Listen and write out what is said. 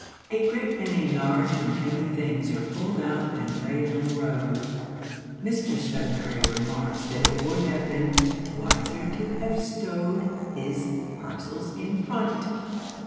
A great many large and heavy things are pulled out and laid on the road. Mr Sudberry remarks that it would have been "wiser to have stowed his parcels in front."